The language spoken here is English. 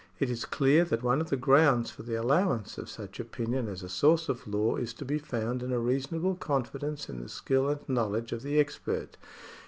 It is clear that one of the grounds for the allowance of such opinion as a source of law is to be found in a reasonable confidence in the skill and knowledge of the expert.